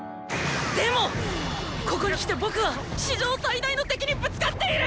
でもここにきて僕は史上最大の敵にぶつかっている！